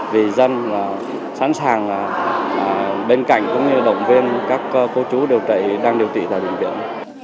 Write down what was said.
vì dân sẵn sàng bên cạnh cũng như động viên các cô chú đang điều trị tại bệnh viện